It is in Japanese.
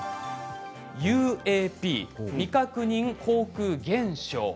ＵＡＰ、未確認航空現象。